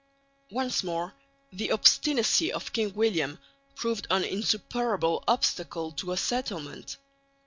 Once more the obstinacy of King William proved an insuperable obstacle to a settlement.